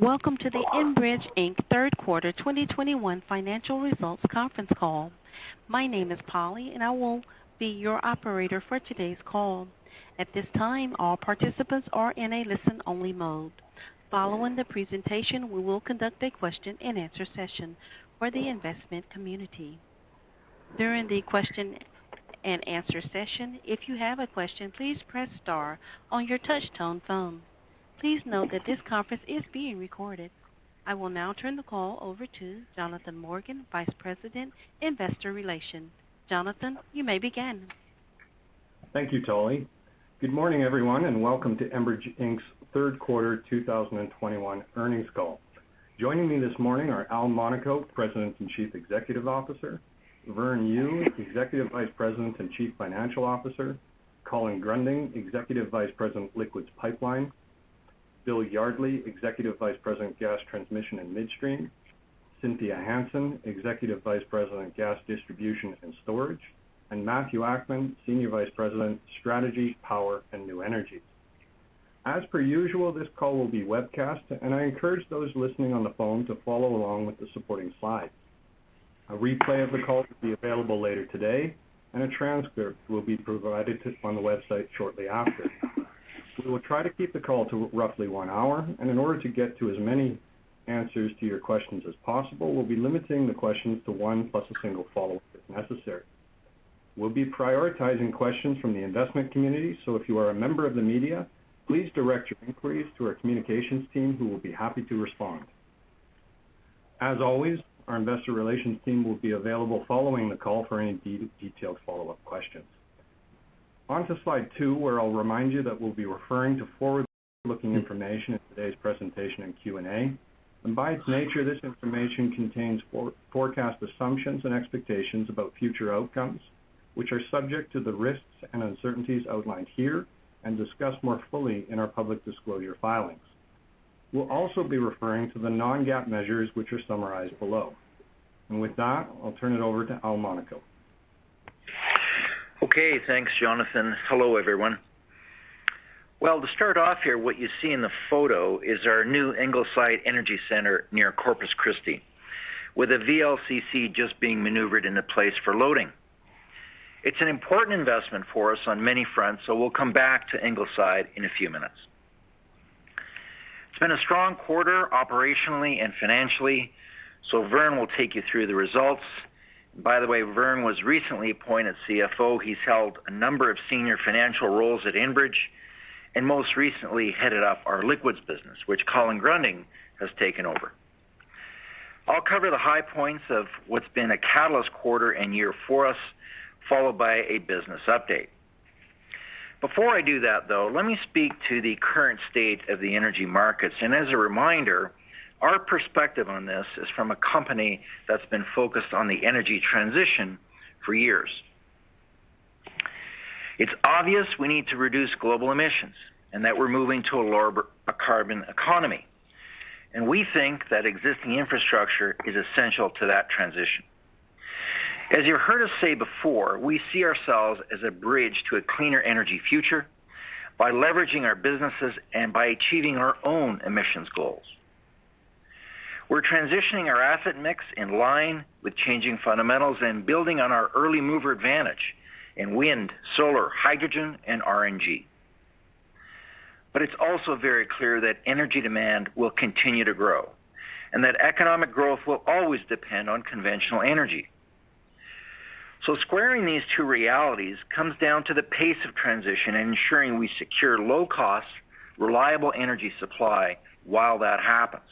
Welcome to the Enbridge Inc. third quarter 2021 financial results conference call. My name is Polly, and I will be your operator for today's call. At this time, all participants are in a listen-only mode. Following the presentation, we will conduct a question-and-answer session for the investment community. During the question-and-answer session, if you have a question, please Press Star on your touch-tone phone. Please note that this conference is being recorded. I will now turn the call over to Jonathan Morgan, Vice President, Investor Relations. Jonathan, you may begin. Thank you, Polly. Good morning, everyone, and welcome to Enbridge Inc.'s third quarter 2021 earnings call. Joining me this morning are Al Monaco, President and Chief Executive Officer, Vern Yu, Executive Vice President and Chief Financial Officer, Colin Gruending, Executive Vice President, Liquids Pipelines, Bill Yardley, Executive Vice President, Gas Transmission and Midstream, Cynthia Hansen, Executive Vice President, Gas Distribution and Storage, and Matthew Akman, Senior Vice President, Strategy, Power and New Energy. As per usual, this call will be webcast, and I encourage those listening on the phone to follow along with the supporting slides. A replay of the call will be available later today and a transcript will be provided on the website shortly after. We will try to keep the call to roughly one hour, and in order to get to as many answers to your questions as possible, we'll be limiting the questions to one, plus a single follow-up if necessary. We'll be prioritizing questions from the investment community, so if you are a member of the media, please direct your inquiries to our communications team, who will be happy to respond. As always, our investor relations team will be available following the call for any detailed follow-up questions. On to slide two, where I'll remind you that we'll be referring to forward-looking information in today's presentation and Q&A. By its nature, this information contains forecast assumptions and expectations about future outcomes, which are subject to the risks and uncertainties outlined here and discussed more fully in our public disclosure filings. We'll also be referring to the non-GAAP measures which are summarized below. With that, I'll turn it over to Al Monaco. Okay, thanks, Jonathan. Hello, everyone. Well, to start off here, what you see in the photo is our new Ingleside Energy Center near Corpus Christi, with a VLCC just being maneuvered into place for loading. It's an important investment for us on many fronts, so we'll come back to Ingleside in a few minutes. It's been a strong quarter operationally and financially, so Vern will take you through the results. By the way, Vern was recently appointed CFO. He's held a number of senior financial roles at Enbridge, and most recently headed up our liquids business, which Colin Gruending has taken over. I'll cover the high points of what's been a catalyst quarter and year for us, followed by a business update. Before I do that, though, let me speak to the current state of the energy markets. As a reminder, our perspective on this is from a company that's been focused on the energy transition for years. It's obvious we need to reduce global emissions and that we're moving to a lower-carbon economy, and we think that existing infrastructure is essential to that transition. As you heard us say before, we see ourselves as a bridge to a cleaner energy future by leveraging our businesses and by achieving our own emissions goals. We're transitioning our asset mix in line with changing fundamentals and building on our early mover advantage in wind, solar, hydrogen, and RNG. It's also very clear that energy demand will continue to grow and that economic growth will always depend on conventional energy. Squaring these two realities comes down to the pace of transition and ensuring we secure low cost, reliable energy supply while that happens.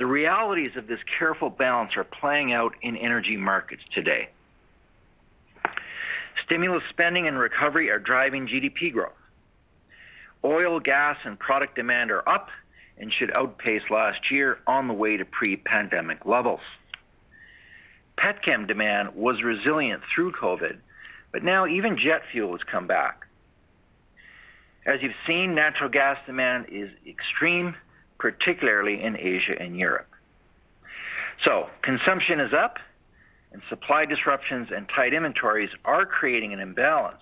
The realities of this careful balance are playing out in energy markets today. Stimulus spending and recovery are driving GDP growth. Oil, gas, and product demand are up and should outpace last year on the way to pre-pandemic levels. Petchem demand was resilient through COVID, but now even jet fuel has come back. As you've seen, natural gas demand is extreme, particularly in Asia and Europe. Consumption is up and supply disruptions and tight inventories are creating an imbalance.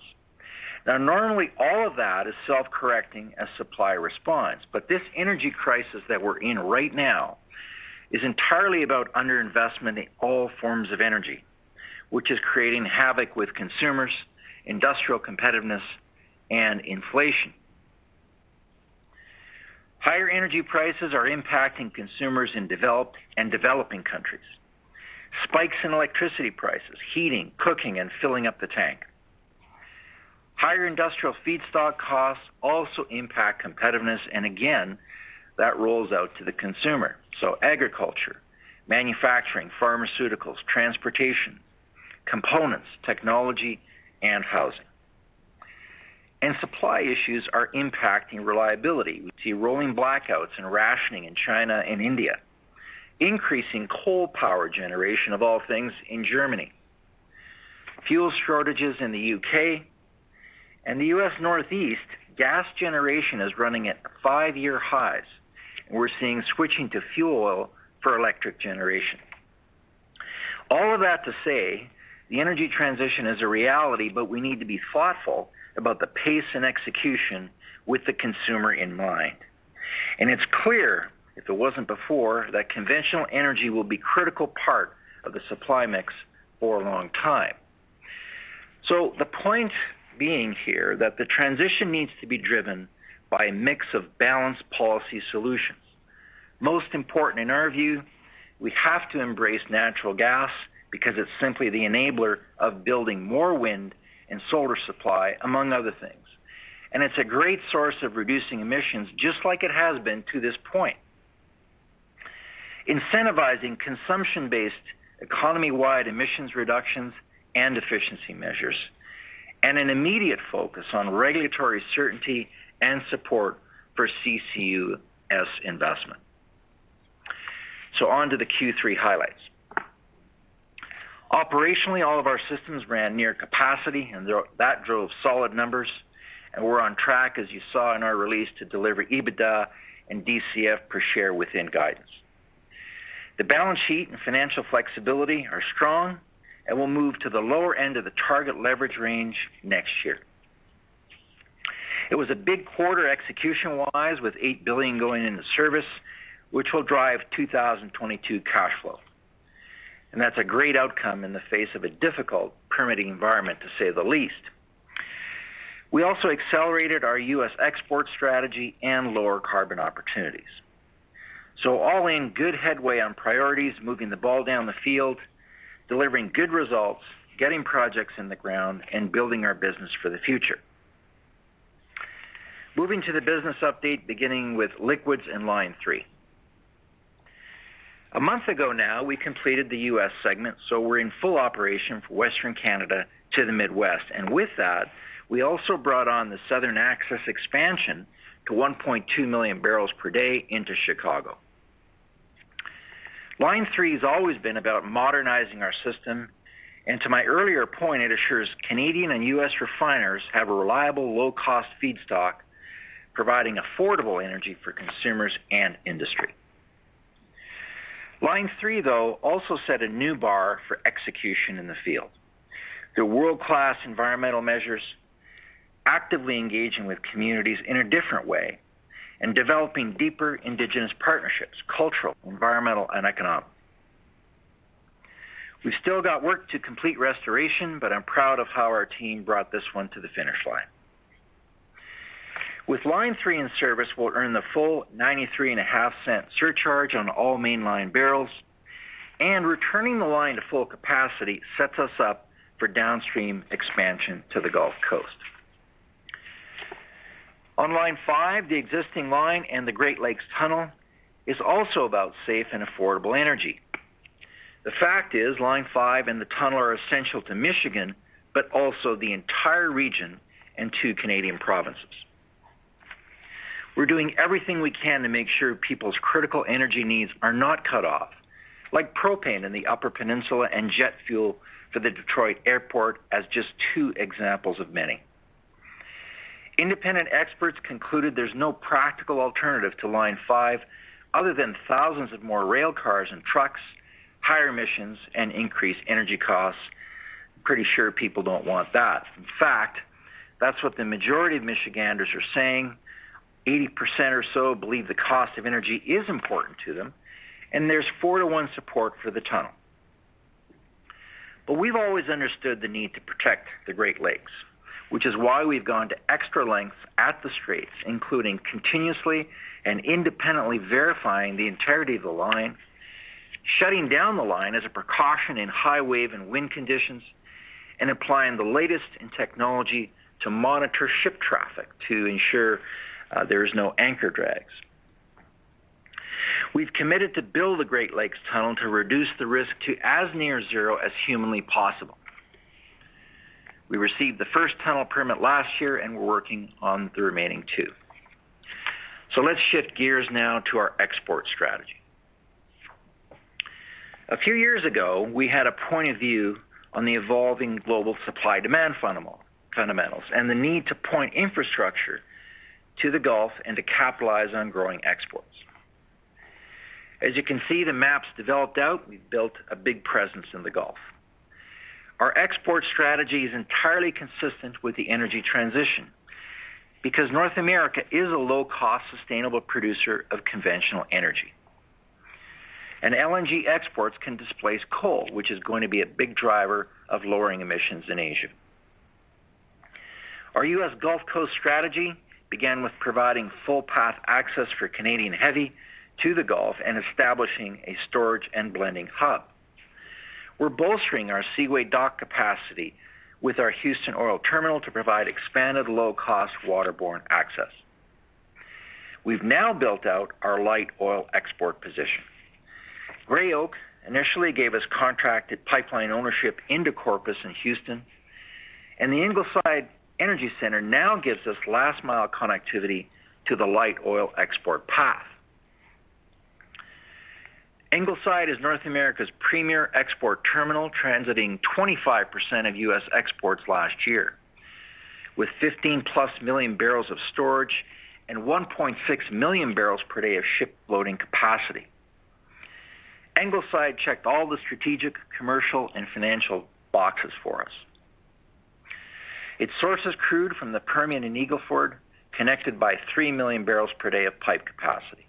Now, normally, all of that is self-correcting as supply responds. This energy crisis that we're in right now is entirely about underinvestment in all forms of energy, which is creating havoc with consumers, industrial competitiveness, and inflation. Higher energy prices are impacting consumers in developed and developing countries, spikes in electricity prices, heating, cooking, and filling up the tank. Higher industrial feedstock costs also impact competitiveness, and again, that rolls out to the consumer. Agriculture, manufacturing, pharmaceuticals, transportation, components, technology, and housing. Supply issues are impacting reliability. We see rolling blackouts and rationing in China and India, increasing coal power generation, of all things, in Germany, fuel shortages in the U.K., and the U.S. Northeast, gas generation is running at five-year highs. We're seeing switching to fuel oil for electric generation. All of that to say the energy transition is a reality, but we need to be thoughtful about the pace and execution with the consumer in mind. It's clear, if it wasn't before, that conventional energy will be critical part of the supply mix for a long time. The point being here that the transition needs to be driven by a mix of balanced policy solutions. Most important, in our view, we have to embrace natural gas because it's simply the enabler of building more wind and solar supply, among other things. It's a great source of reducing emissions, just like it has been to this point. Incentivizing consumption-based, economy-wide emissions reductions and efficiency measures, and an immediate focus on regulatory certainty and support for CCUS investment. On to the Q3 highlights. Operationally, all of our systems ran near capacity and that drove solid numbers. We're on track, as you saw in our release, to deliver EBITDA and DCF per share within guidance. The balance sheet and financial flexibility are strong, and we'll move to the lower end of the target leverage range next year. It was a big quarter execution-wise, with 8 billion going into service, which will drive 2022 cash flow. That's a great outcome in the face of a difficult permitting environment, to say the least. We also accelerated our U.S. export strategy and lower carbon opportunities. All in good headway on priorities, moving the ball down the field, delivering good results, getting projects in the ground, and building our business for the future. Moving to the business update, beginning with liquids and Line three. A month ago now, we completed the U.S. segment, so we're in full operation from Western Canada to the Midwest. With that, we also brought on the Southern Access expansion to 1.2 million barrels per day into Chicago. Line three has always been about modernizing our system. To my earlier point, it assures Canadian and U.S. refiners have a reliable, low-cost feedstock, providing affordable energy for consumers and industry. Line three, though, also set a new bar for execution in the field. The world-class environmental measures, actively engaging with communities in a different way, and developing deeper Indigenous partnerships, cultural, environmental, and economic. We've still got work to complete, restoration, but I'm proud of how our team brought this one to the finish line. With Line three in service, we'll earn the full 0.935 surcharge on all Mainline barrels, and returning the line to full capacity sets us up for downstream expansion to the Gulf Coast. On Line five, the existing line and the Great Lakes Tunnel is also about safe and affordable energy. The fact is, Line five and the tunnel are essential to Michigan, but also the entire region and two Canadian provinces. We're doing everything we can to make sure people's critical energy needs are not cut off, like propane in the Upper Peninsula and jet fuel for the Detroit Airport as just two examples of many. Independent experts concluded there's no practical alternative to Line five other than thousands of more rail cars and trucks, higher emissions, and increased energy costs. Pretty sure people don't want that. In fact, that's what the majority of Michiganders are saying. 80% or so believe the cost of energy is important to them, and there's 4-1 support for the tunnel. We've always understood the need to protect the Great Lakes, which is why we've gone to extra lengths at the Straits, including continuously and independently verifying the integrity of the line, shutting down the line as a precaution in high wave and wind conditions, and applying the latest in technology to monitor ship traffic to ensure there is no anchor drags. We've committed to build the Great Lakes tunnel to reduce the risk to as near zero as humanly possible. We received the first tunnel permit last year, and we're working on the remaining two. Let's shift gears now to our export strategy. A few years ago, we had a point of view on the evolving global supply-demand fundamentals and the need to build infrastructure to the Gulf and to capitalize on growing exports. As you can see, the maps developed out, we've built a big presence in the Gulf. Our export strategy is entirely consistent with the energy transition because North America is a low-cost, sustainable producer of conventional energy. LNG exports can displace coal, which is going to be a big driver of lowering emissions in Asia. Our U.S. Gulf Coast strategy began with providing full path access for Canadian heavy to the Gulf and establishing a storage and blending hub. We're bolstering our Seaway dock capacity with our Houston Oil Terminal to provide expanded low-cost waterborne access. We've now built out our light oil export position. Gray Oak initially gave us contracted pipeline ownership into Corpus and Houston, and the Ingleside Energy Center now gives us last-mile connectivity to the light oil export path. Ingleside is North America's premier export terminal, transiting 25% of U.S. exports last year. With 15+ million barrels of storage and 1.6 million barrels per day of ship loading capacity. Ingleside checked all the strategic, commercial, and financial boxes for us. It sources crude from the Permian and Eagle Ford, connected by 3 million barrels per day of pipe capacity.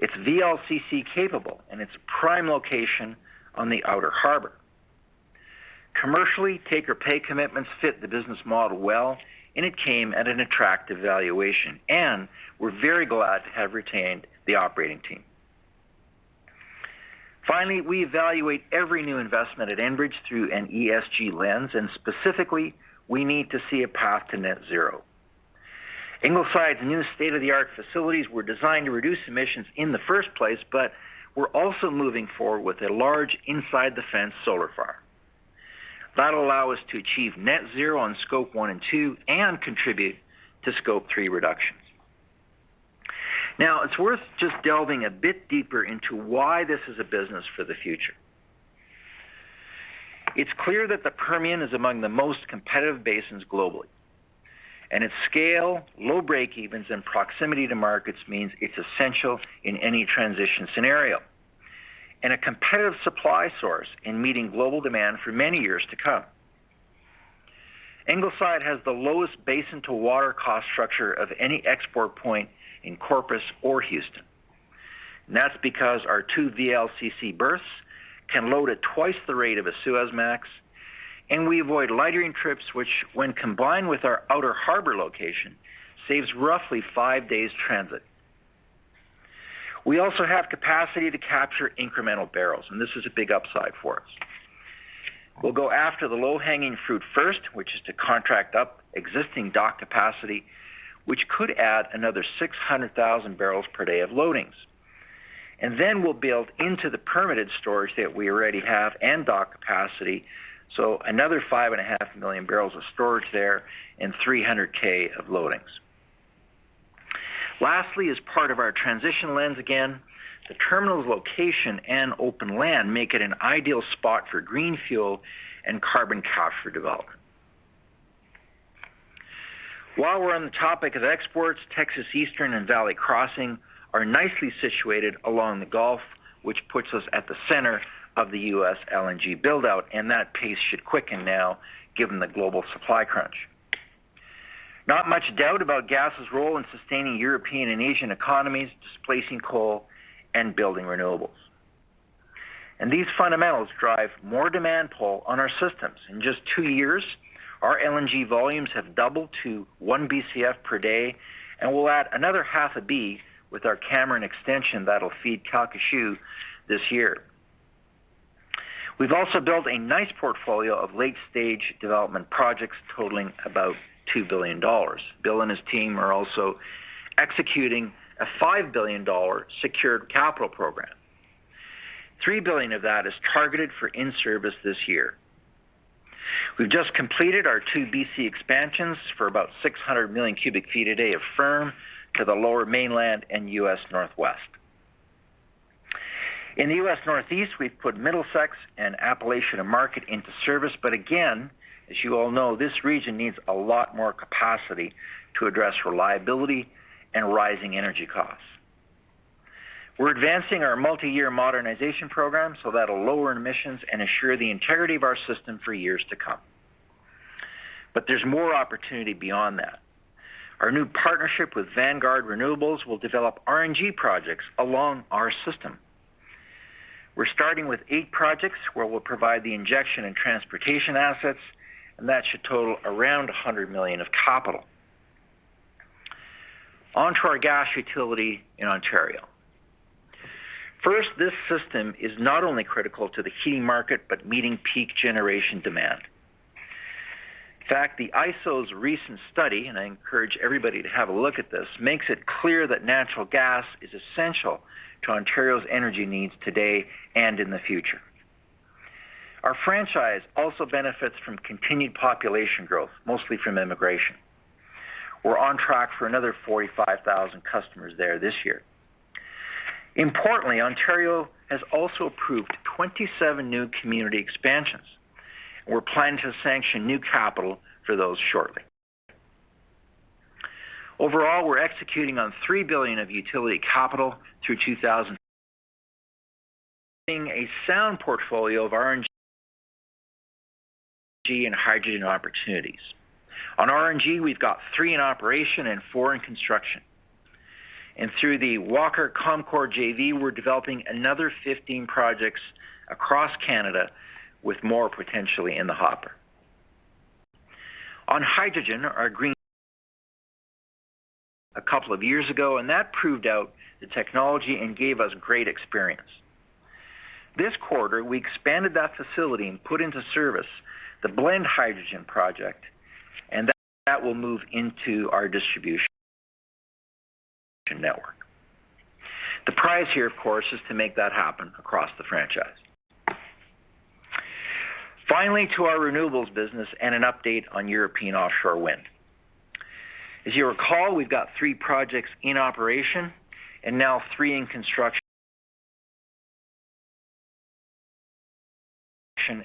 It's VLCC capable, and it's prime location on the outer harbor. Commercially, take or pay commitments fit the business model well, and it came at an attractive valuation, and we're very glad to have retained the operating team. Finally, we evaluate every new investment at Enbridge through an ESG lens, and specifically, we need to see a path to net zero. Ingleside's new state-of-the-art facilities were designed to reduce emissions in the first place, but we're also moving forward with a large inside-the-fence solar farm. That'll allow us to achieve net zero on scope one and two and contribute to scope three reductions. Now, it's worth just delving a bit deeper into why this is a business for the future. It's clear that the Permian is among the most competitive basins globally, and its scale, low breakevens and proximity to markets means it's essential in any transition scenario, and a competitive supply source in meeting global demand for many years to come. Ingleside has the lowest basin to water cost structure of any export point in Corpus or Houston. That's because our two VLCC berths can load at twice the rate of a Suezmax, and we avoid lightering trips, which when combined with our outer harbor location, saves roughly five days transit. We also have capacity to capture incremental barrels, and this is a big upside for us. We'll go after the low-hanging fruit first, which is to contract up existing dock capacity, which could add another 600,000 barrels per day of loadings. Then we'll build into the permitted storage that we already have and dock capacity. Another 5.5 million barrels of storage there and 300,000 of loadings. Lastly, as part of our transition lens, again, the terminal's location and open land make it an ideal spot for green fuel and carbon capture development. While we're on the topic of exports, Texas Eastern and Valley Crossing are nicely situated along the Gulf, which puts us at the center of the U.S. LNG build-out, and that pace should quicken now given the global supply crunch. Not much doubt about gas's role in sustaining European and Asian economies, displacing coal and building renewables. These fundamentals drive more demand pull on our systems. In just two years, our LNG volumes have doubled to 1 BCF per day, and we'll add another half a B with our Cameron Extension that'll feed Calcasieu this year. We've also built a nice portfolio of late-stage development projects totaling about 2 billion dollars. Bill and his team are also executing a 5 billion dollar secured capital program. 3 billion of that is targeted for in-service this year. We've just completed our 2 BC expansions for about 600 million cubic feet a day of firm to the Lower Mainland and U.S. Northwest. In the U.S. Northeast, we've put Middlesex Extension and Appalachia to Market into service. Again, as you all know, this region needs a lot more capacity to address reliability and rising energy costs. We're advancing our multi-year modernization program, so that'll lower emissions and assure the integrity of our system for years to come. There's more opportunity beyond that. Our new partnership with Vanguard Renewables will develop RNG projects along our system. We're starting with 8 projects where we'll provide the injection and transportation assets, and that should total around 100 million of capital. On to our gas utility in Ontario. First, this system is not only critical to the heating market, but meeting peak generation demand. In fact, the ISO's recent study, and I encourage everybody to have a look at this, makes it clear that natural gas is essential to Ontario's energy needs today and in the future. Our franchise also benefits from continued population growth, mostly from immigration. We're on track for another 45,000 customers there this year. Importantly, Ontario has also approved 27 new community expansions. We're planning to sanction new capital for those shortly. Overall, we're executing on 3 billion of utility capital, building a sound portfolio of RNG and hydrogen opportunities. On RNG, we've got three in operation and four in construction. Through the Walker Comcor JV, we're developing another 15 projects across Canada with more potentially in the hopper. On hydrogen, our green hydrogen project a couple of years ago, and that proved out the technology and gave us great experience. This quarter, we expanded that facility and put into service the blended hydrogen project, and that will move into our distribution network. The prize here, of course, is to make that happen across the franchise. Finally, to our renewables business and an update on European offshore wind. As you recall, we've got three projects in operation and now three in construction,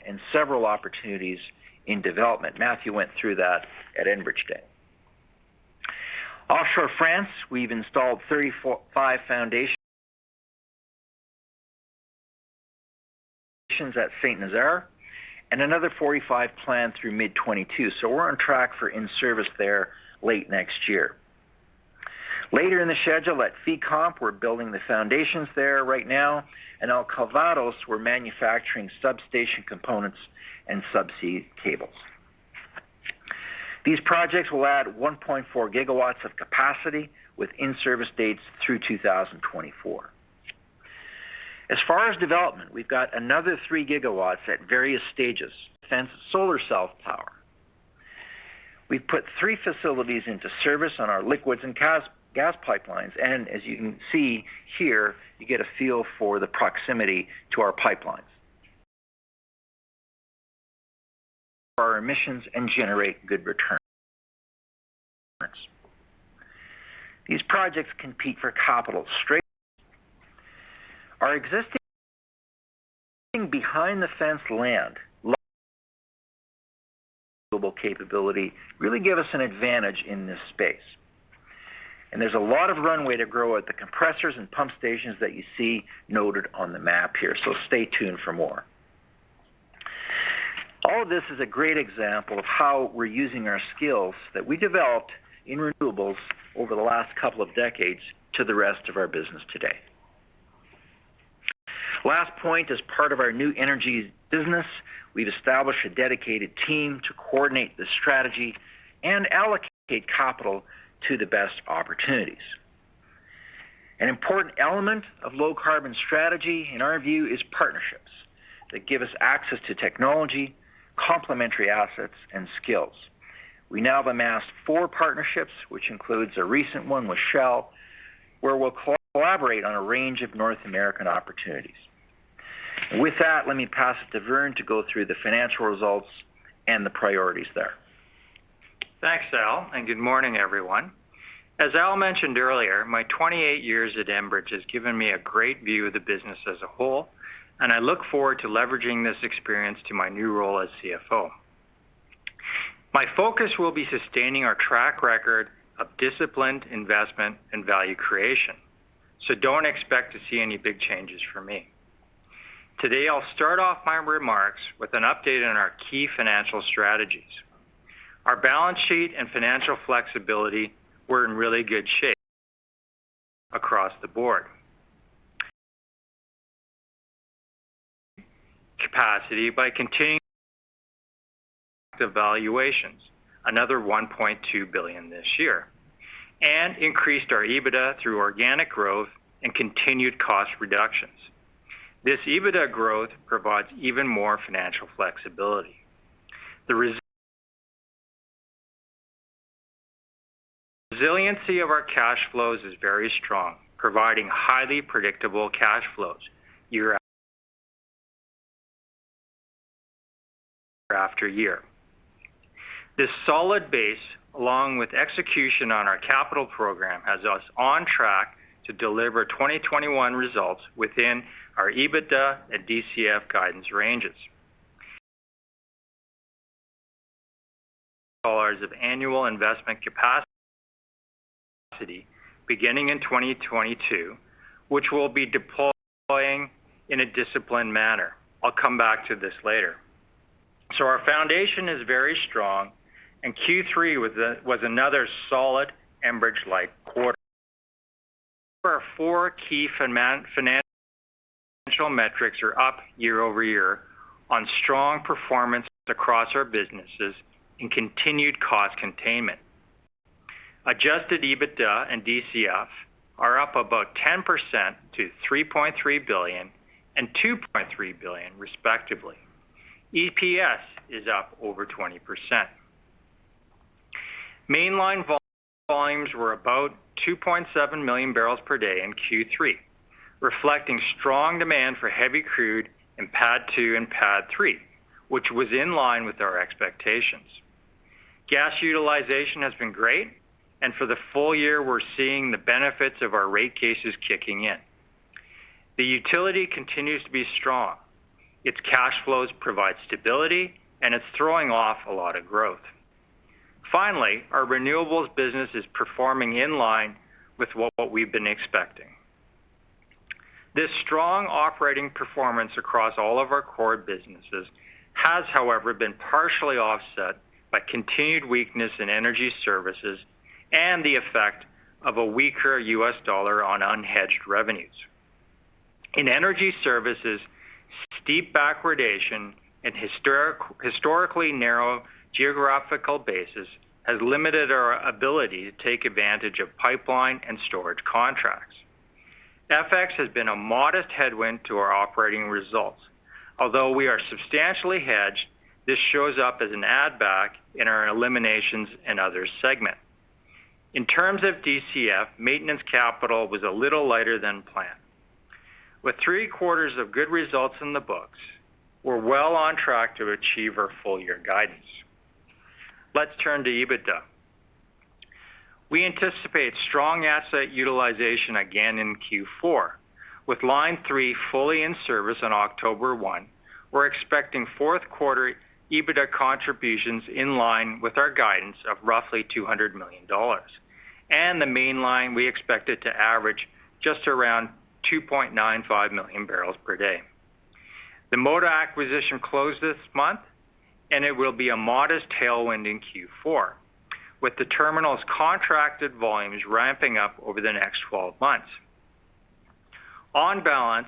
and several opportunities in development. Matthew went through that at Enbridge Day. Offshore France, we've installed 35 foundations at Saint-Nazaire and another 45 planned through mid 2022. We're on track for in-service there late next year. Later in the schedule at Fécamp, we're building the foundations there right now, and Calvados, we're manufacturing substation components and subsea cables. These projects will add 1.4 GW of capacity with in-service dates through 2024. As far as development, we've got another 3 GW at various stages of solar self-power. We've put three facilities into service on our Liquids Pipelines and Gas Transmission and Midstream, gas pipelines, and as you can see here, you get a feel for the proximity to our pipelines. Reduce emissions and generate good returns. These projects compete for capital straight. Our existing behind the fence land global capability really give us an advantage in this space. There's a lot of runway to grow at the compressors and pump stations that you see noted on the map here. Stay tuned for more. All of this is a great example of how we're using our skills that we developed in renewables over the last couple of decades to the rest of our business today. Last point, as part of our new energy business, we've established a dedicated team to coordinate the strategy and allocate capital to the best opportunities. An important element of low carbon strategy, in our view, is partnerships that give us access to technology, complementary assets, and skills. We now have amassed four partnerships, which includes a recent one with Shell, where we'll collaborate on a range of North American opportunities. With that, let me pass it to Vern to go through the financial results and the priorities there. Thanks, Al, and good morning, everyone. As Al mentioned earlier, my 28 years at Enbridge has given me a great view of the business as a whole, and I look forward to leveraging this experience to my new role as CFO. My focus will be sustaining our track record of disciplined investment and value creation. Don't expect to see any big changes from me. Today, I'll start off my remarks with an update on our key financial strategies. Our balance sheet and financial flexibility are in really good shape across the board. We captured another CAD 1.2 billion this year by continuing value accretion, and increased our EBITDA through organic growth and continued cost reductions. This EBITDA growth provides even more financial flexibility. The resiliency of our cash flows is very strong, providing highly predictable cash flows year after year. This solid base, along with execution on our capital program, has us on track to deliver 2021 results within our EBITDA and DCF guidance ranges. Dollars of annual investment capacity beginning in 2022, which we'll be deploying in a disciplined manner. I'll come back to this later. Our foundation is very strong and Q3 was another solid Enbridge-like quarter. Our four key financial metrics are up year-over-year on strong performance across our businesses and continued cost containment. Adjusted EBITDA and DCF are up about 10% to 3.3 billion and 2.3 billion, respectively. EPS is up over 20%. Mainline volumes were about 2.7 million barrels per day in Q3, reflecting strong demand for heavy crude in PADD 2 and PADD 3, which was in line with our expectations. Gas utilization has been great, and for the full year, we're seeing the benefits of our rate cases kicking in. The utility continues to be strong. Its cash flows provide stability, and it's throwing off a lot of growth. Finally, our renewables business is performing in line with what we've been expecting. This strong operating performance across all of our core businesses has, however, been partially offset by continued weakness in energy services and the effect of a weaker U.S. dollar on unhedged revenues. In energy services, steep backwardation and historically narrow geographical basis has limited our ability to take advantage of pipeline and storage contracts. FX has been a modest headwind to our operating results. Although we are substantially hedged, this shows up as an add back in our eliminations and other segment. In terms of DCF, maintenance capital was a little lighter than planned. With three-quarters of good results in the books, we're well on track to achieve our full-year guidance. Let's turn to EBITDA. We anticipate strong asset utilization again in Q4. With Line three fully in service on 1st October, we're expecting fourth quarter EBITDA contributions in line with our guidance of roughly 200 million dollars. The Mainline, we expect it to average just around 2.95 million barrels per day. The Moda acquisition closed this month, and it will be a modest tailwind in Q4, with the terminal's contracted volumes ramping up over the next 12 months. On balance,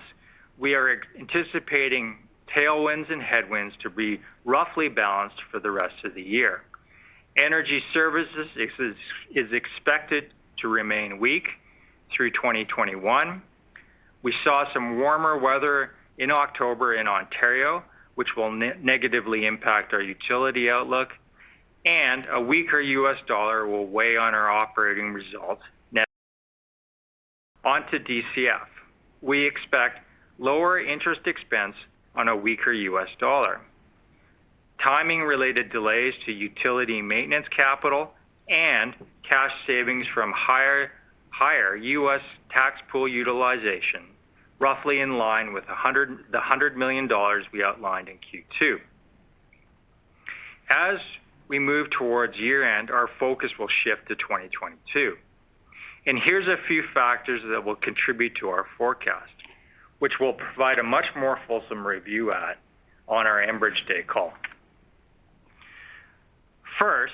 we are anticipating tailwinds and headwinds to be roughly balanced for the rest of the year. Energy services is expected to remain weak through 2021. We saw some warmer weather in October in Ontario, which will negatively impact our utility outlook, and a weaker U.S. dollar will weigh on our operating results. On to DCF. We expect lower interest expense on a weaker U.S. dollar. Timing-related delays to utility maintenance capital and cash savings from higher U.S. tax pool utilization, roughly in line with the hundred million dollars we outlined in Q2. As we move towards year-end, our focus will shift to 2022. Here's a few factors that will contribute to our forecast, which we'll provide a much more fulsome review at our Enbridge Day call. First,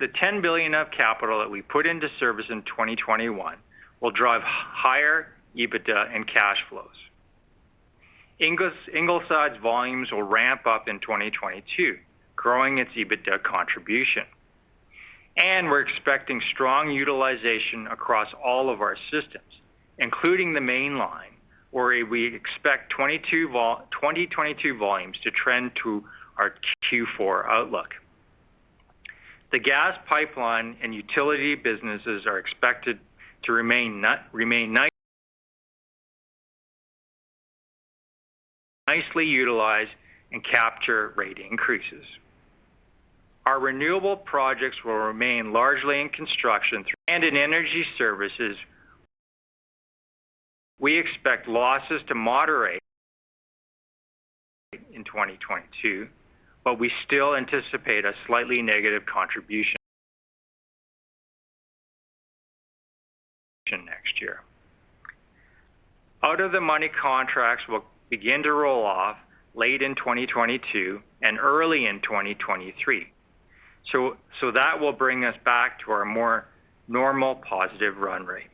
the 10 billion of capital that we put into service in 2021 will drive higher EBITDA and cash flows. Ingleside's volumes will ramp up in 2022, growing its EBITDA contribution. We're expecting strong utilization across all of our systems, including the Mainline, where we expect 2022 volumes to trend to our Q4 outlook. The gas pipeline and utility businesses are expected to remain nicely utilized and capture rate increases. Our renewable projects will remain largely in construction. In energy services, we expect losses to moderate in 2022, but we still anticipate a slightly negative contribution next year. Out of the money contracts will begin to roll off late in 2022 and early in 2023. That will bring us back to our more normal positive run rate.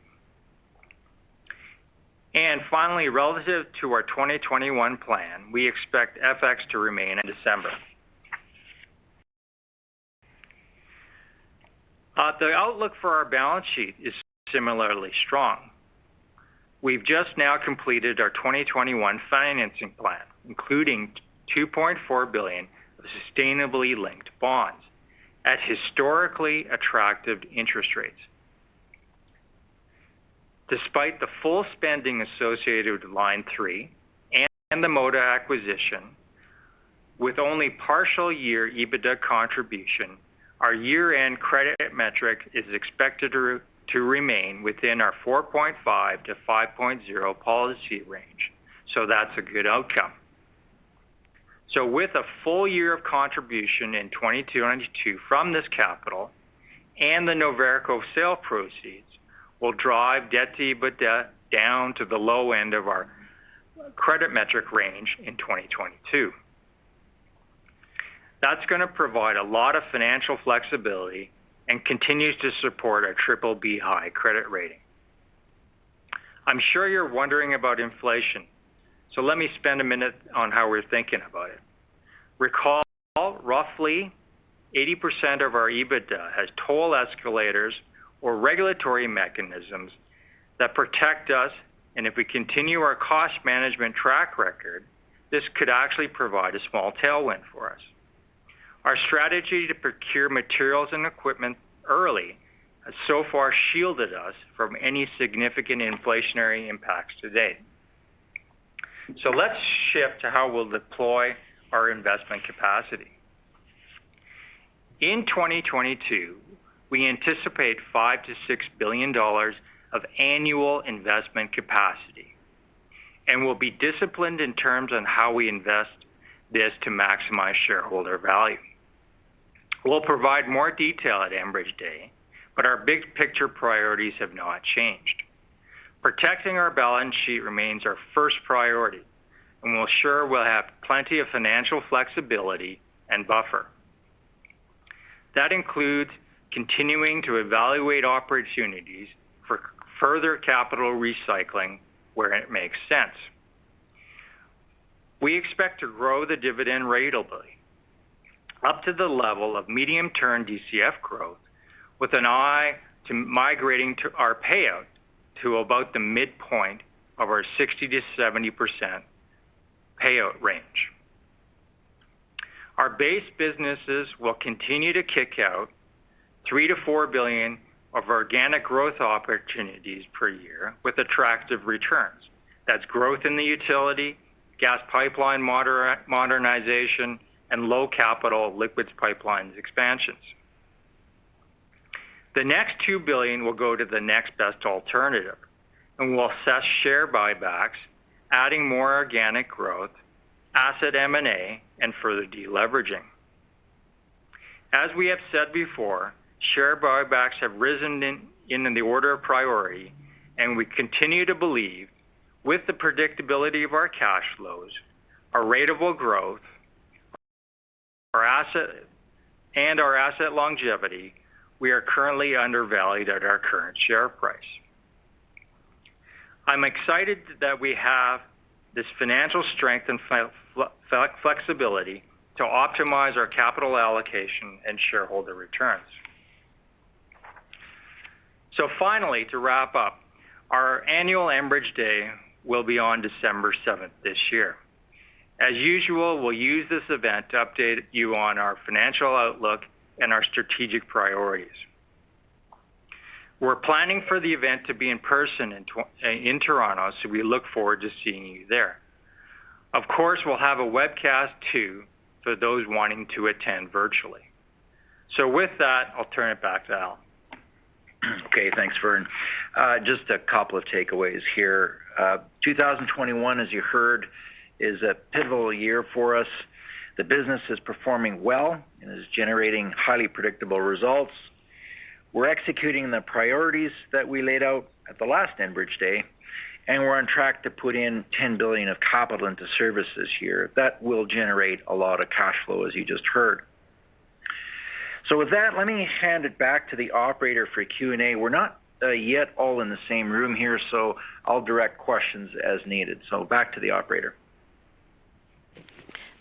Finally, relative to our 2021 plan, we expect FX to remain in December. The outlook for our balance sheet is similarly strong. We've just now completed our 2021 financing plan, including 2.4 billion of sustainably linked bonds at historically attractive interest rates. Despite the full spending associated with Line three and the Moda acquisition, with only partial year EBITDA contribution, our year-end credit metric is expected to remain within our 4.5-5.0 policy range. That's a good outcome. With a full year of contribution in 2022 from this capital, and the Noverco sale proceeds will drive debt to EBITDA down to the low end of our credit metric range in 2022. That's gonna provide a lot of financial flexibility and continues to support our BBB high credit rating. I'm sure you're wondering about inflation. Let me spend a minute on how we're thinking about it. Recall, roughly 80% of our EBITDA has toll escalators or regulatory mechanisms that protect us, and if we continue our cost management track record, this could actually provide a small tailwind for us. Our strategy to procure materials and equipment early has so far shielded us from any significant inflationary impacts to date. Let's shift to how we'll deploy our investment capacity. In 2022, we anticipate 5 billion-6 billion dollars of annual investment capacity, and we'll be disciplined in terms on how we invest this to maximize shareholder value. We'll provide more detail at Enbridge Day, but our big picture priorities have not changed. Protecting our balance sheet remains our first priority, and we'll make sure we'll have plenty of financial flexibility and buffer. That includes continuing to evaluate opportunities for further capital recycling where it makes sense. We expect to grow the dividend ratably up to the level of medium-term DCF growth with an eye to migrating to our payout to about the midpoint of our 60%-70% payout range. Our base businesses will continue to kick out 3 billion-4 billion of organic growth opportunities per year with attractive returns. That's growth in the utility, gas pipeline modernization, and low capital Liquids Pipelines expansions. The next 2 billion will go to the next best alternative, and we'll assess share buybacks, adding more organic growth, asset M&A, and further deleveraging. As we have said before, share buybacks have risen in the order of priority, and we continue to believe with the predictability of our cash flows, our ratable growth, our asset longevity, we are currently undervalued at our current share price. I'm excited that we have this financial strength and flexibility to optimize our capital allocation and shareholder returns. Finally, to wrap up, our annual Enbridge Day will be on December seventh this year. As usual, we'll use this event to update you on our financial outlook and our strategic priorities. We're planning for the event to be in person in Toronto, so we look forward to seeing you there. Of course, we'll have a webcast too, for those wanting to attend virtually. With that, I'll turn it back to Al. Okay, thanks, Vern. Just a couple of takeaways here. 2021, as you heard, is a pivotal year for us. The business is performing well and is generating highly predictable results. We're executing the priorities that we laid out at the last Enbridge Day, and we're on track to put in 10 billion of capital into services here. That will generate a lot of cash flow, as you just heard. With that, let me hand it back to the operator for Q&A. We're not yet all in the same room here, so I'll direct questions as needed. Back to the operator.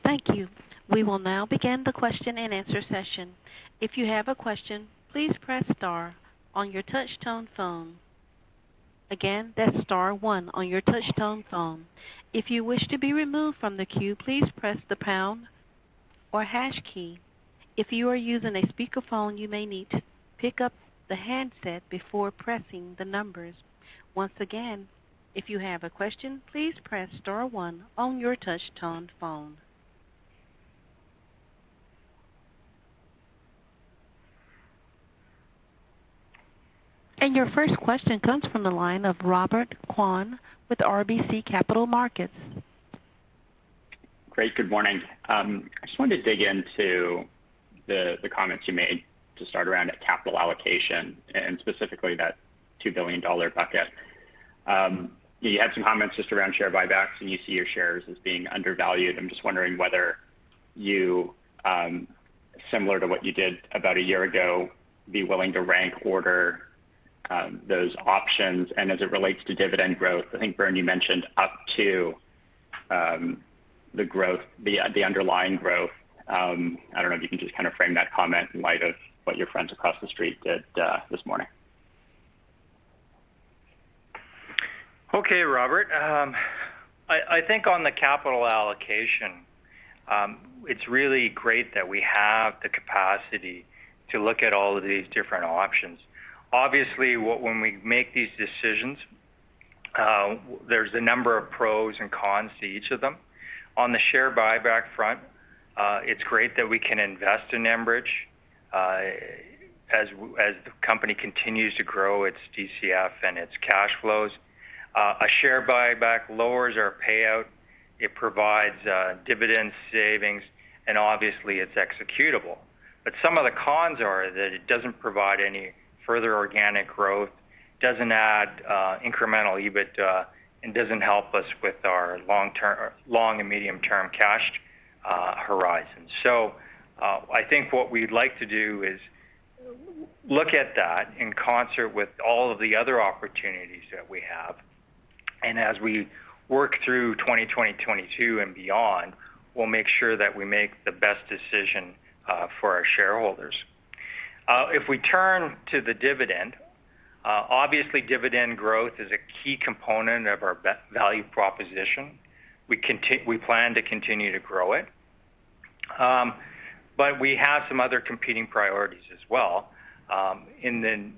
Thank you. We will now begin the question-and-answer session. If you have a question, please press star on your touch tone phone. Again, that's star one on your touch tone phone. If you wish to be removed from the queue, please press the pound or hash key. If you are using a speakerphone, you may need to pick up the handset before pressing the numbers. Once again, if you have a question, please Press Star one on your touch tone phone. Your first question comes from the line of Robert Kwan with RBC Capital Markets. Good morning. I just wanted to dig into the comments you made to start around the capital allocation and specifically that $2 billion bucket. You had some comments just around share buybacks, and you see your shares as being undervalued. I'm just wondering whether you, similar to what you did about a year ago, be willing to rank order those options. As it relates to dividend growth, I think, Vern, you mentioned up to the underlying growth. I don't know if you can just kind of frame that comment in light of what your friends across the street did this morning. Okay, Robert. I think on the capital allocation, it's really great that we have the capacity to look at all of these different options. Obviously, when we make these decisions, there's a number of pros and cons to each of them. On the share buyback front, it's great that we can invest in Enbridge, as the company continues to grow its DCF and its cash flows. A share buyback lowers our payout. It provides dividend savings, and obviously, it's executable. But some of the cons are that it doesn't provide any further organic growth, doesn't add incremental EBITDA, and doesn't help us with our long and medium-term cash horizon. I think what we'd like to do is look at that in concert with all of the other opportunities that we have. As we work through 2020, 2022 and beyond, we'll make sure that we make the best decision for our shareholders. If we turn to the dividend, obviously dividend growth is a key component of our value proposition. We plan to continue to grow it. But we have some other competing priorities as well. In the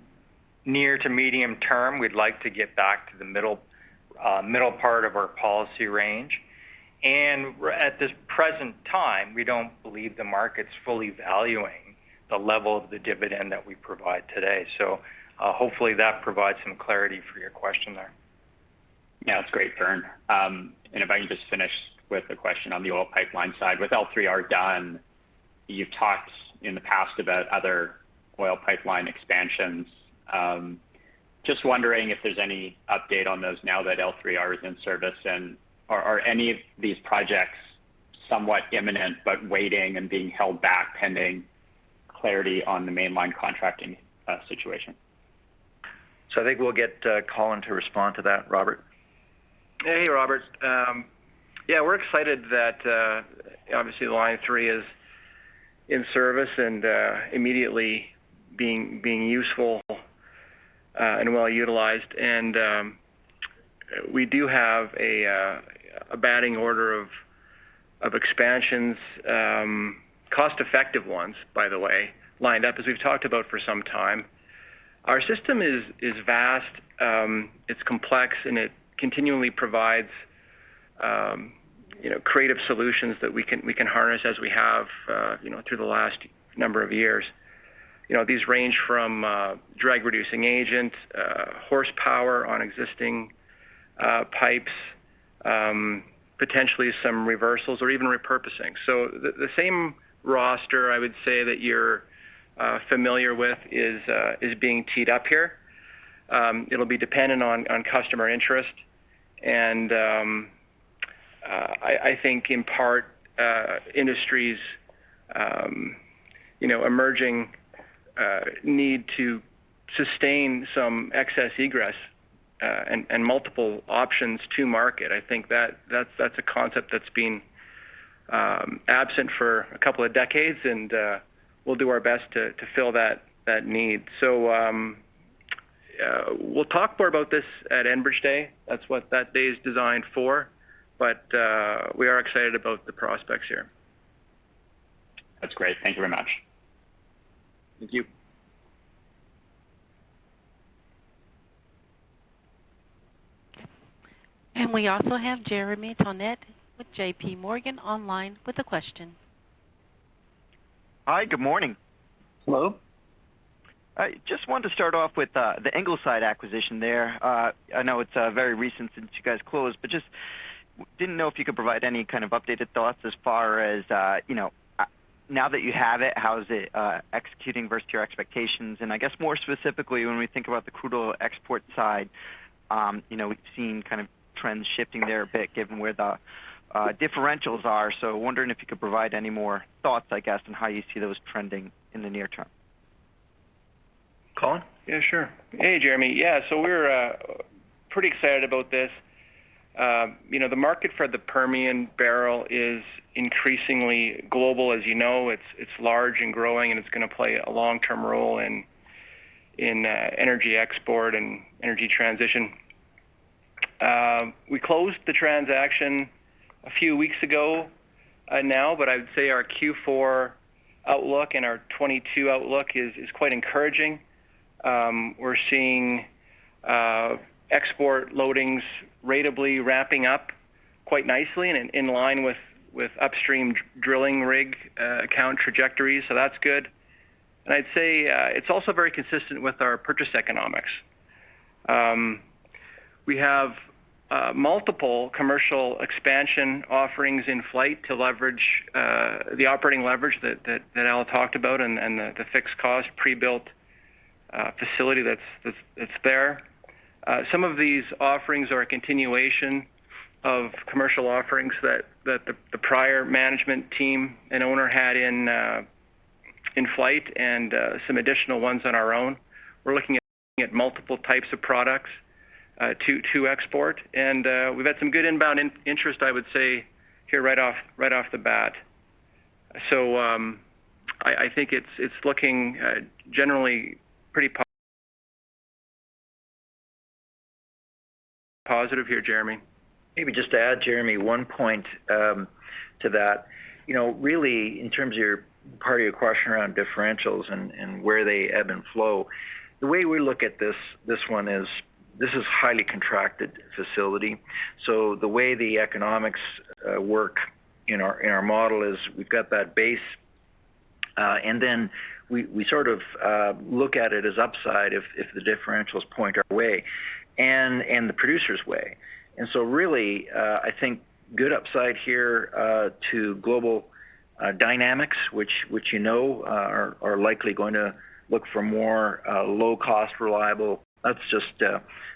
near to medium term, we'd like to get back to the middle part of our policy range. At this present time, we don't believe the market's fully valuing the level of the dividend that we provide today. Hopefully that provides some clarity for your question there. Yeah, that's great, Vern. If I can just finish with a question on the oil pipeline side. With Line three Replacement done, you've talked in the past about other oil pipeline expansions. Just wondering if there's any update on those now that Line three Replacement is in service, and are any of these projects somewhat imminent but waiting and being held back pending clarity on the Mainline contracting situation? I think we'll get Colin to respond to that, Robert. Hey, Robert. Yeah, we're excited that obviously Line three is in service and immediately being useful and well-utilized. We do have a batting order of On expansions, cost-effective ones, by the way, lined up as we've talked about for some time. Our system is vast, it's complex, and it continually provides, you know, creative solutions that we can harness as we have, you know, through the last number of years. You know, these range from drag reducing agents, horsepower on existing pipes, potentially some reversals or even repurposing. The same roster I would say that you're familiar with is being teed up here. It'll be dependent on customer interest. I think in part, industry's, you know, emerging need to sustain some excess egress, and multiple options to market. I think that's a concept that's been absent for a couple of decades, and we'll do our best to fill that need. We'll talk more about this at Enbridge Day. That's what that day is designed for, but we are excited about the prospects here. That's great. Thank you very much. Thank you. We also have Jeremy Tonet with JP Morgan online with a question. Hi, good morning. Hello. I just wanted to start off with the Ingleside acquisition there. I know it's very recent since you guys closed, but just didn't know if you could provide any kind of updated thoughts as far as you know now that you have it, how is it executing versus your expectations? And I guess more specifically, when we think about the crude oil export side, you know, we've seen kind of trends shifting there a bit given where the differentials are. Wondering if you could provide any more thoughts, I guess, on how you see those trending in the near term. Colin? Yeah, sure. Hey, Jeremy. Yeah. We're pretty excited about this. You know, the market for the Permian barrel is increasingly global. As you know, it's large and growing, and it's gonna play a long-term role in energy export and energy transition. We closed the transaction a few weeks ago now, but I would say our Q4 outlook and our 2022 outlook is quite encouraging. We're seeing export loadings ratably ramping up quite nicely and in line with upstream drilling rig count trajectories. That's good. I'd say it's also very consistent with our purchase economics. We have multiple commercial expansion offerings in flight to leverage the operating leverage that Al talked about and the fixed cost pre-built facility that's there. Some of these offerings are a continuation of commercial offerings that the prior management team and owner had in flight and some additional ones on our own. We're looking at multiple types of products to export. We've had some good inbound interest, I would say, here right off the bat. I think it's looking generally pretty positive here, Jeremy. Maybe just to add, Jeremy, one point to that. You know, really in terms of your part of your question around differentials and where they ebb and flow, the way we look at this one is highly contracted facility. The way the economics work in our model is we've got that base, and then we sort of look at it as upside if the differentials point our way and the producer's way. Really, I think good upside here to global dynamics, which you know are likely going to look for more low cost, reliable. That's just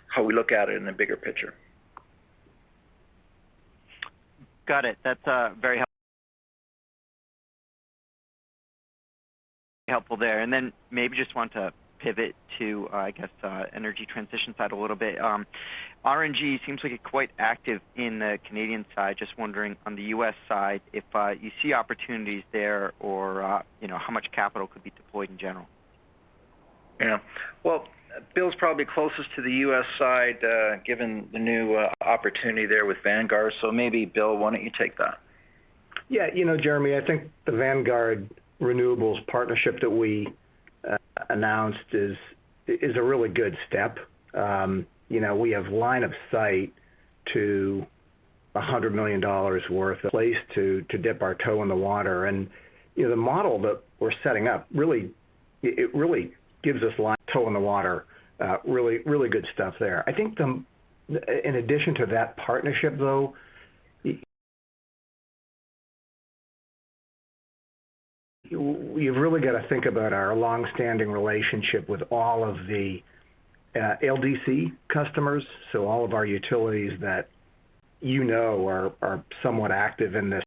how we look at it in a bigger picture. Got it. That's very helpful there. Maybe just want to pivot to, I guess, energy transition side a little bit. RNG seems to be quite active in the Canadian side. Just wondering on the U.S. side if you see opportunities there or you know, how much capital could be deployed in general? Yeah. Well, Bill's probably closest to the U.S. side, given the new opportunity there with Vanguard. Maybe Bill, why don't you take that? Yeah. You know, Jeremy, I think the Vanguard Renewables partnership that we announced is a really good step. You know, we have line of sight to $100 million worth of places to dip our toe in the water. You know, the model that we're setting up really gives us a toe in the water, really good stuff there. I think, in addition to that partnership though, we've really gotta think about our long-standing relationship with all of the LDC customers. All of our utilities that you know are somewhat active in this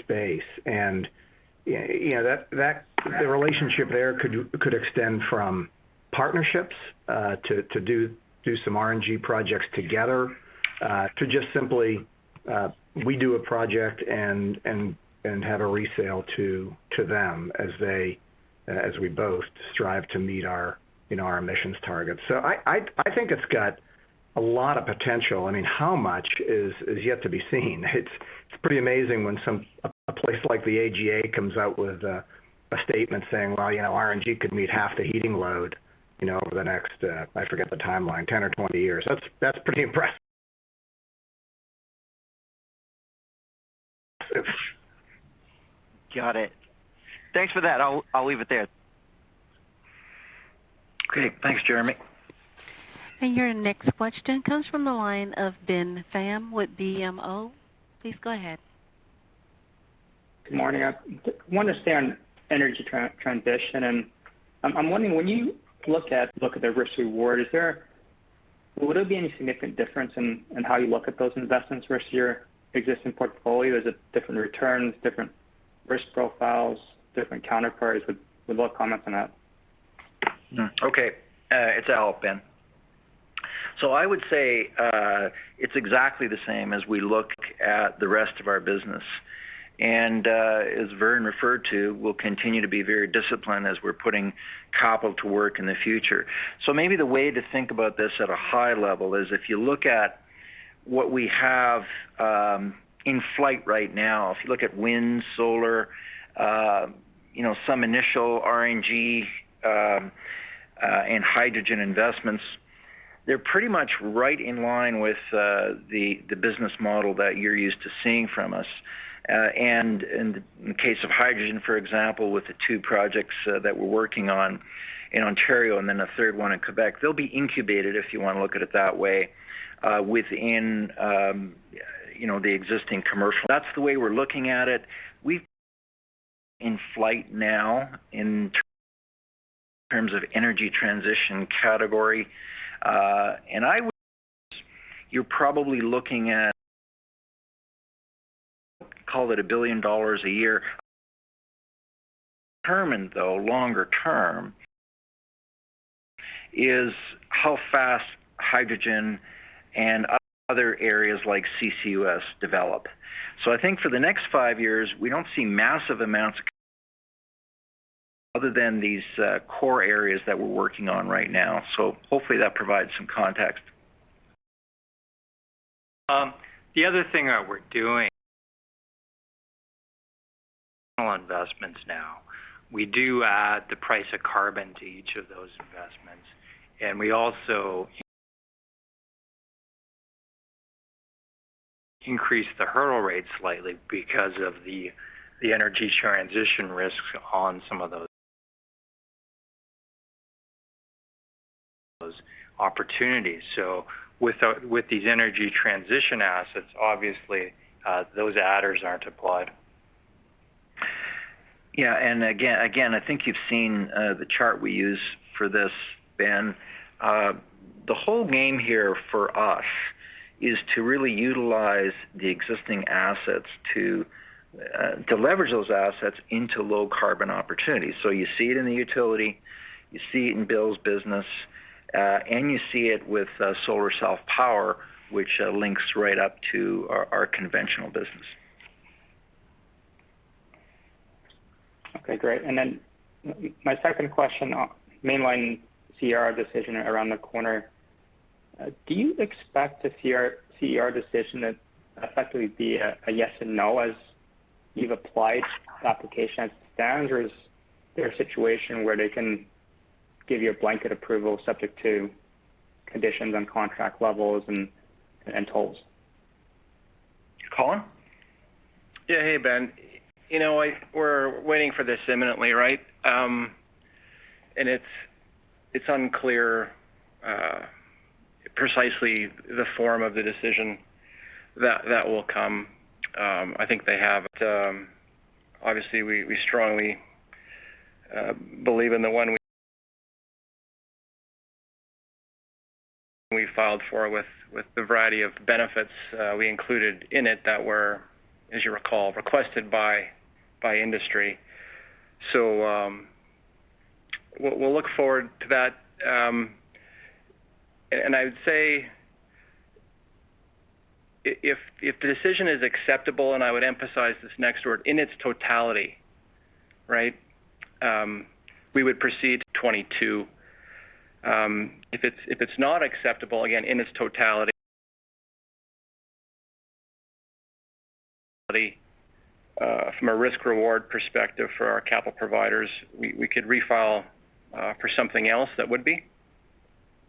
space. You know, that the relationship there could extend from partnerships to do some RNG projects together to just simply We do a project and have a resale to them as we both strive to meet our, you know, our emissions targets. I think it's got a lot of potential. I mean, how much is yet to be seen. It's pretty amazing when a place like the AGA comes out with a statement saying, well, you know, RNG could meet half the heating load, you know, over the next, I forget the timeline, 10 or 20 years. That's pretty impressive. Got it. Thanks for that. I'll leave it there. Okay. Thanks, Jeremy. Your next question comes from the line of Ben Pham with BMO. Please go ahead. Good morning. I want to stay on energy transition. I'm wondering, when you look at the risk-reward, would there be any significant difference in how you look at those investments versus your existing portfolio? Is it different returns, different risk profiles, different counterparties? Would love comment on that. Okay. It's Al, Ben. I would say, it's exactly the same as we look at the rest of our business. As Vern referred to, we'll continue to be very disciplined as we're putting capital to work in the future. Maybe the way to think about this at a high level is if you look at what we have in flight right now, if you look at wind, solar, you know, some initial RNG and hydrogen investments, they're pretty much right in line with the business model that you're used to seeing from us. In the case of hydrogen, for example, with the two projects that we're working on in Ontario and then a third one in Quebec, they'll be incubated, if you want to look at it that way, within you know the existing commercial. That's the way we're looking at it. We've in flight now in terms of energy transition category. You're probably looking at, call it 1 billion dollars a year. Determined, though, longer term is how fast hydrogen and other areas like CCUS develop. I think for the next five years, we don't see massive amounts other than these core areas that we're working on right now. Hopefully that provides some context. The other thing that we're doing investments now. We do add the price of carbon to each of those investments, and we also increase the hurdle rate slightly because of the energy transition risks on some of those opportunities. With these energy transition assets, obviously, those adders aren't applied. Yeah. I think you've seen the chart we use for this, Ben. The whole game here for us is to really utilize the existing assets to leverage those assets into low carbon opportunities. You see it in the utility, you see it in Bill's business, and you see it with Solar Self-Power, which links right up to our conventional business. Okay, great. My second question. Mainline CER decision around the corner. Do you expect the CER decision to effectively be a yes and no as you've applied application standards? Is there a situation where they can give you a blanket approval subject to conditions on contract levels and tolls? Colin? Yeah. Hey, Ben. You know, we're waiting for this imminently, right? It's unclear precisely the form of the decision that will come. I think they have. Obviously we strongly believe in the one we filed for with the variety of benefits we included in it that were, as you recall, requested by industry. We'll look forward to that. And I would say if the decision is acceptable, and I would emphasize this next word, in its totality, right? We would proceed 2022. If it's not acceptable, again, in its totality, from a risk reward perspective for our capital providers, we could refile for something else that would be.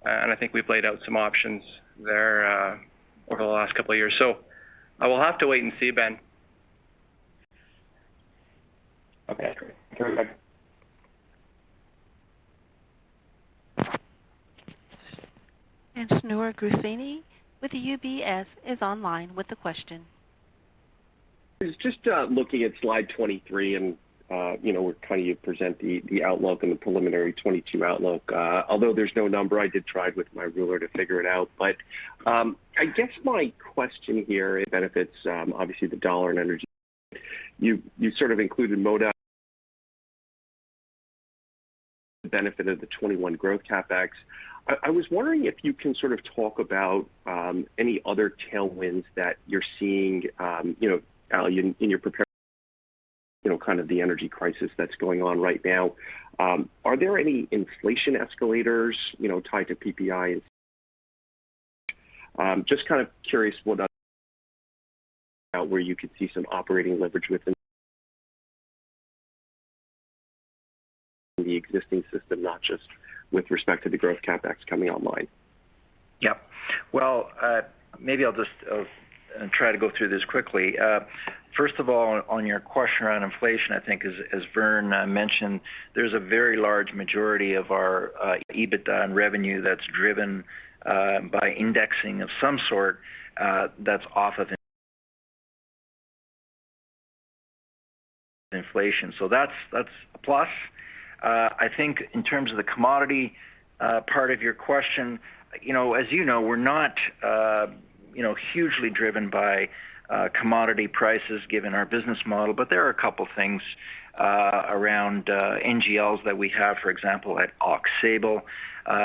I think we've laid out some options there over the last couple of years. I will have to wait and see, Ben. Okay, great. Thanks. Shneur Gershuni with UBS is online with a question. Just looking at slide 23 and you know where kind of you present the outlook and the preliminary 2022 outlook. Although there's no number, I did try with my ruler to figure it out. I guess my question here, it benefits obviously the dollar and energy. You sort of included Moda The benefit of the 2021 growth CapEx. I was wondering if you can sort of talk about any other tailwinds that you're seeing, you know, Al, in your prepared, you know, kind of the energy crisis that's going on right now. Are there any inflation escalators, you know, tied to PPI and such? Just kind of curious where you could see some operating leverage within the existing system, not just with respect to the growth CapEx coming online. Yep. Well, maybe I'll try to go through this quickly. First of all, on your question around inflation, I think as Vern mentioned, there's a very large majority of our EBITDA and revenue that's driven by indexing of some sort that's off of inflation. So that's a plus. I think in terms of the commodity part of your question, you know, as you know, we're not hugely driven by commodity prices given our business model. But there are a couple things around NGLs that we have, for example, at Aux Sable.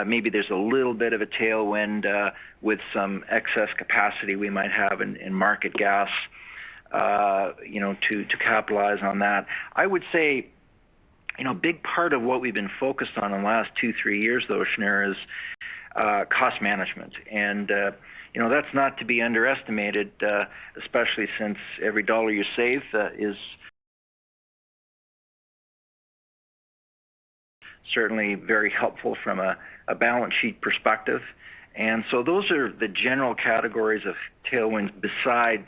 Maybe there's a little bit of a tailwind with some excess capacity we might have in market gas, you know, to capitalize on that. I would say, you know, a big part of what we've been focused on in the last two, three years, though, Shneur, is cost management. You know, that's not to be underestimated, especially since every dollar you save is certainly very helpful from a balance sheet perspective. Those are the general categories of tailwinds beside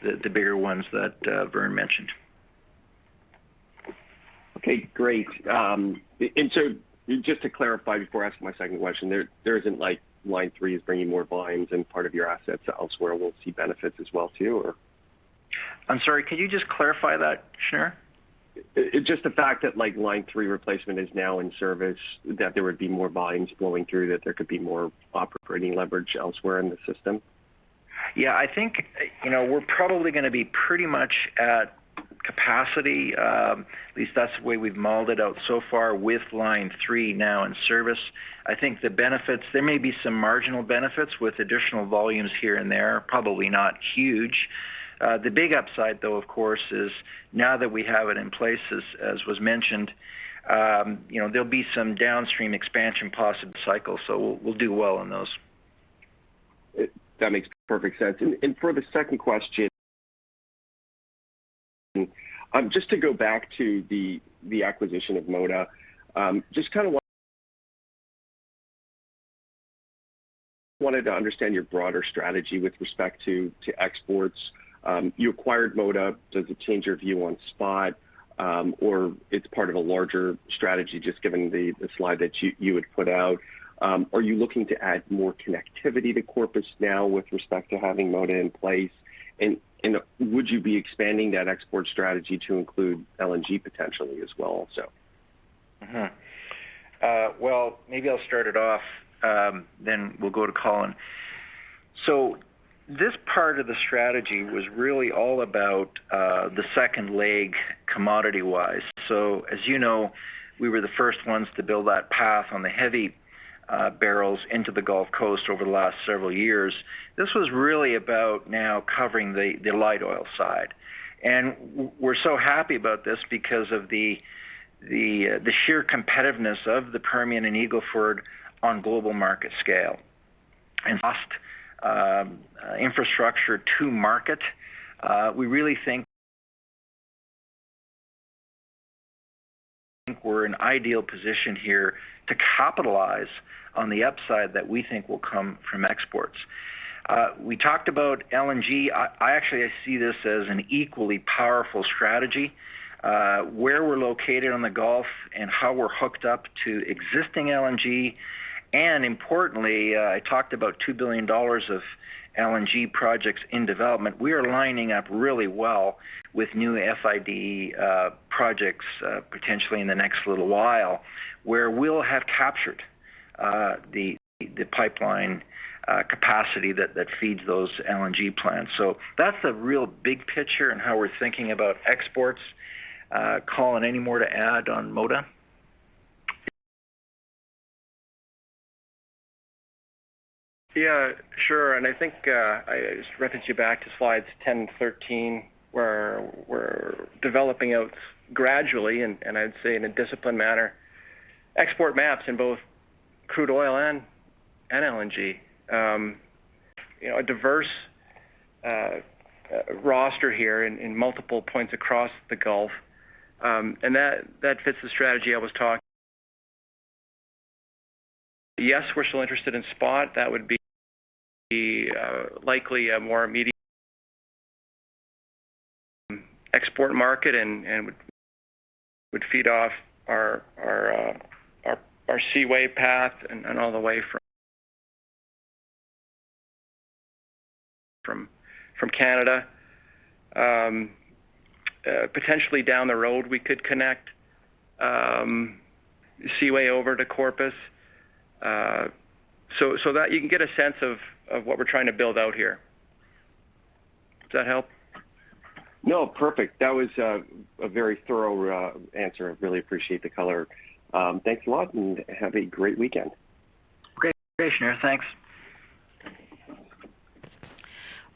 the bigger ones that Vern mentioned. Okay, great. Just to clarify before I ask my second question, there isn't like Line three is bringing more volumes and part of your assets elsewhere will see benefits as well too, or? I'm sorry, can you just clarify that, Shneur? Just the fact that like Line three Replacement is now in service, that there would be more volumes flowing through, that there could be more operating leverage elsewhere in the system. Yeah, I think, you know, we're probably gonna be pretty much at capacity, at least that's the way we've modeled it out so far with Line three now in service. I think the benefits. There may be some marginal benefits with additional volumes here and there, probably not huge. The big upside, though, of course, is now that we have it in place, as was mentioned, you know, there'll be some downstream expansion possible cycles, so we'll do well on those. That makes perfect sense. For the second question, just to go back to the acquisition of Moda. Just kind of wanted to understand your broader strategy with respect to exports. You acquired Moda. Does it change your view on SPOT? It's part of a larger strategy just given the slide that you had put out. Are you looking to add more connectivity to Corpus now with respect to having Moda in place? Would you be expanding that export strategy to include LNG potentially as well also? Well, maybe I'll start it off, then we'll go to Colin. This part of the strategy was really all about the second leg commodity-wise. As you know, we were the first ones to build that path on the heavy barrels into the Gulf Coast over the last several years. This was really about now covering the light oil side. We're so happy about this because of the sheer competitiveness of the Permian and Eagle Ford on global market scale. Cost infrastructure to market. We really think we're in ideal position here to capitalize on the upside that we think will come from exports. We talked about LNG. I actually see this as an equally powerful strategy, where we're located on the Gulf and how we're hooked up to existing LNG. Importantly, I talked about $2 billion of LNG projects in development. We are lining up really well with new FID projects potentially in the next little while, where we'll have captured the pipeline capacity that feeds those LNG plants. That's the real big picture in how we're thinking about exports. Colin, any more to add on Moda? Yeah, sure. I think I just refer you back to slides 10, 13, where we're developing out gradually, and I'd say in a disciplined manner, export maps in both crude oil and LNG. You know, a diverse roster here in multiple points across the Gulf. And that fits the strategy I was talking. Yes, we're still interested in SPOT. That would be likely a more immediate export market and would feed off our Seaway path and all the way from Canada. Potentially down the road, we could connect Seaway over to Corpus. So that you can get a sense of what we're trying to build out here. Does that help? No, perfect. That was a very thorough answer. I really appreciate the color. Thanks a lot, and have a great weekend. Great. Thanks.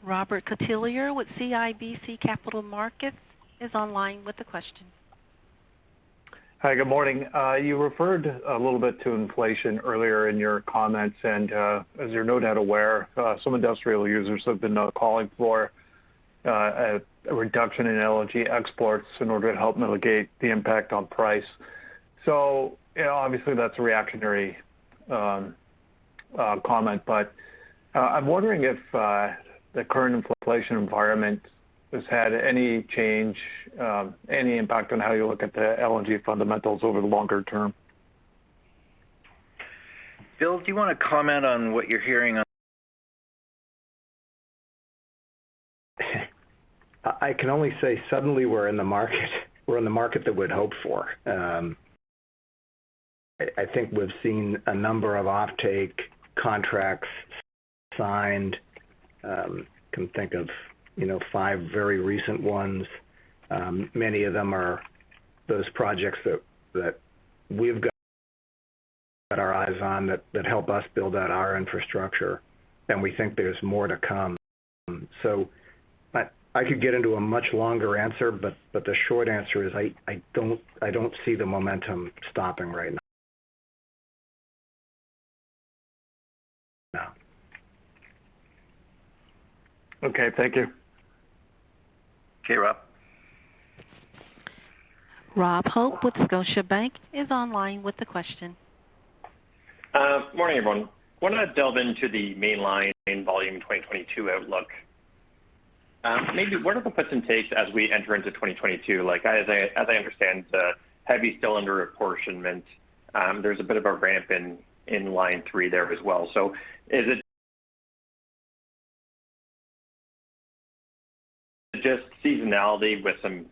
Robert Catellier with CIBC Capital Markets is online with a question. Hi, good morning. You referred a little bit to inflation earlier in your comments, and as you're no doubt aware, some industrial users have been calling for a reduction in LNG exports in order to help mitigate the impact on price. You know, obviously that's a reactionary comment, but I'm wondering if the current inflation environment has had any change, any impact on how you look at the LNG fundamentals over the longer term. Bill, do you wanna comment on what you're hearing on? I can only say suddenly we're in the market, we're in the market that we'd hoped for. I think we've seen a number of offtake contracts signed. I can think of, you know, five very recent ones. Many of them are those projects that we've got our eyes on that help us build out our infrastructure, and we think there's more to come. I could get into a much longer answer, but the short answer is I don't see the momentum stopping right now. Okay, thank you. Okay, Rob. Rob Hope with Scotiabank is online with a question. Morning, everyone. Wanna delve into the mainline volume 2022 outlook. Maybe what are the puts and takes as we enter into 2022? Like, as I understand, the heavy Canadian apportionment, there's a bit of a ramp in Line three there as well. Is it just seasonality with some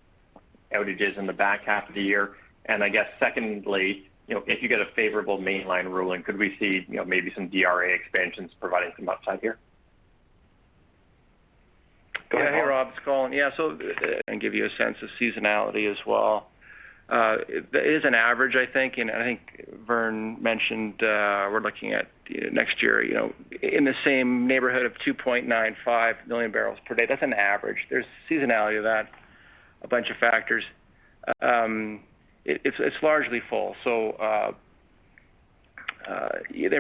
outages in the back half of the year? I guess secondly, you know, if you get a favorable mainline ruling, could we see, you know, maybe some DRA expansions providing some upside here? Hey, Rob, it's Colin. Give you a sense of seasonality as well. There is an average, I think, and I think Vern mentioned, we're looking at next year, you know, in the same neighborhood of 2.95 million barrels per day. That's an average. There's seasonality to that, a bunch of factors. It's largely full. There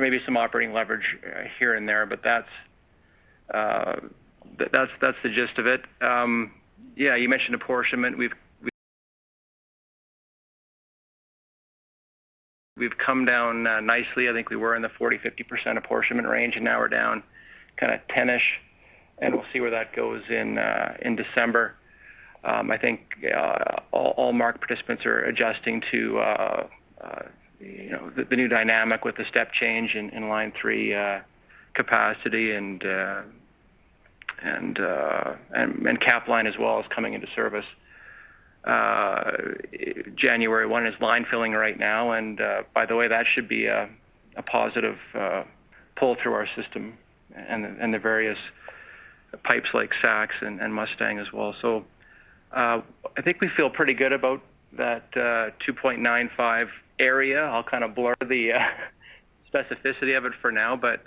may be some operating leverage here and there, but that's the gist of it. You mentioned apportionment. We've come down nicely. I think we were in the 40%-50% apportionment range, and now we're down kinda 10-ish, and we'll see where that goes in December. I think all market participants are adjusting to, you know, the new dynamic with the step change in Line three capacity and Capline as well is coming into service. 1st January is line filling right now, and by the way, that should be a positive pull through our system and the various pipes like Saks and Mustang as well. I think we feel pretty good about that 2.95 area. I'll kind of blur the specificity of it for now, but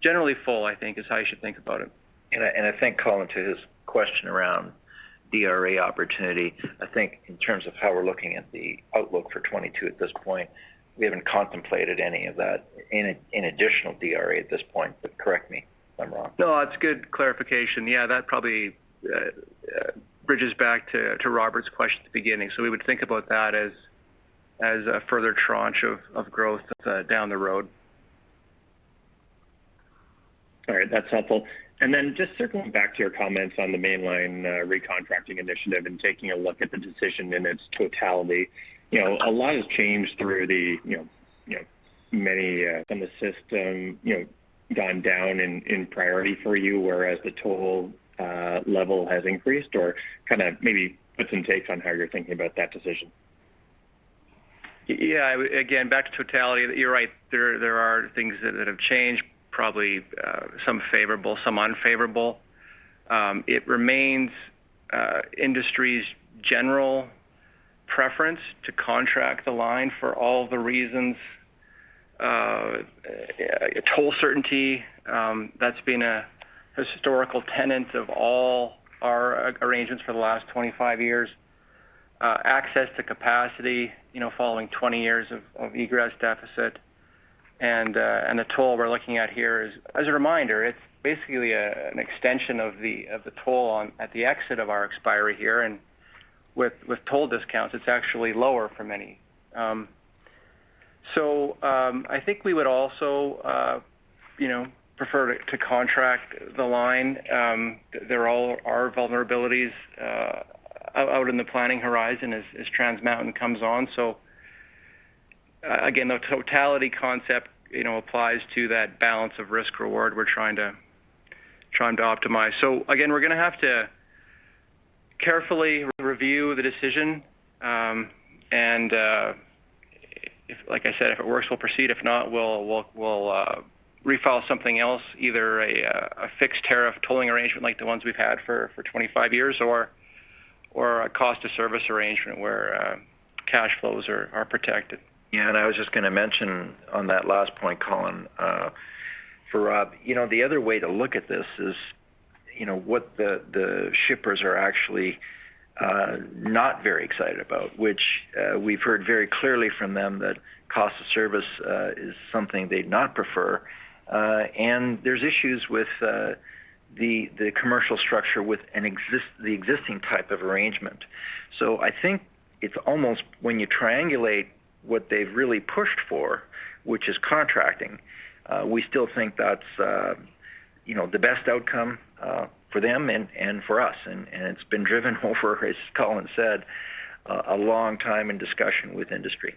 generally full, I think, is how you should think about it. I think, Colin, to his question around DRA opportunity, I think in terms of how we're looking at the outlook for 2022 at this point, we haven't contemplated any of that in additional DRA at this point, but correct me if I'm wrong. No, that's good clarification. Yeah, that probably bridges back to Robert's question at the beginning. We would think about that as a further tranche of growth down the road. All right. That's helpful. Just circling back to your comments on the Mainline recontracting initiative and taking a look at the decision in its totality. You know, a lot has changed through the you know many in the system you know gone down in priority for you, whereas the toll level has increased or kinda maybe puts and takes on how you're thinking about that decision. Yeah. Again, back to totality, you're right. There are things that have changed, probably some favorable, some unfavorable. It remains industry's general preference to contract the line for all the reasons. Toll certainty, that's been a historical tenet of all our arrangements for the last 25 years. Access to capacity, you know, following 20 years of egress deficit. And the toll we're looking at here is. As a reminder, it's basically an extension of the toll on at the exit of our expiry here, and with toll discounts, it's actually lower for many. So, I think we would also, you know, prefer to contract the line. There are vulnerabilities out in the planning horizon as Trans Mountain comes on. Again, the totality concept, you know, applies to that balance of risk reward we're trying to optimize. Again, we're gonna have to carefully review the decision, and like I said, if it works, we'll proceed. If not, we'll refile something else, either a fixed tariff tolling arrangement like the ones we've had for 25 years or a cost of service arrangement where cash flows are protected. Yeah. I was just gonna mention on that last point, Colin, for Rob, you know, the other way to look at this is, you know, what the shippers are actually not very excited about, which we've heard very clearly from them that cost of service is something they'd not prefer. There's issues with the commercial structure with the existing type of arrangement. I think it's almost when you triangulate what they've really pushed for, which is contracting, we still think that's, you know, the best outcome for them and for us. It's been driven over, as Colin said, a long time in discussion with industry.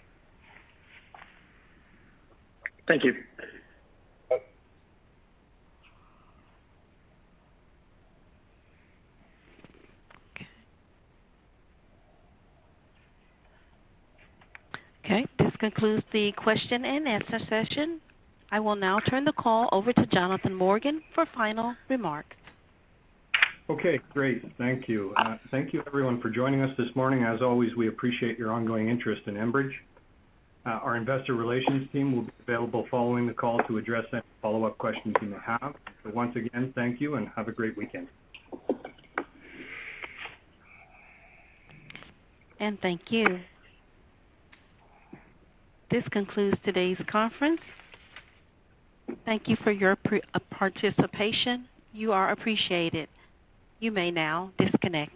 Thank you. Okay. This concludes the question-and-answer session. I will now turn the call over to Jonathan Morgan for final remarks. Okay, great. Thank you. Thank you everyone for joining us this morning. As always, we appreciate your ongoing interest in Enbridge. Our investor relations team will be available following the call to address any follow-up questions you may have. Once again, thank you and have a great weekend. Thank you. This concludes today's conference. Thank you for your participation. You are appreciated. You may now disconnect.